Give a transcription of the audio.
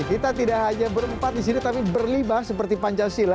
kita tidak hanya berempat di sini tapi berlibah seperti pancasila